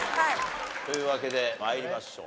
というわけで参りましょう。